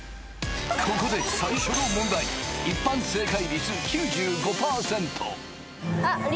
ここで最初の問題一般正解率９５％